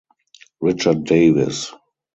Richard Davis.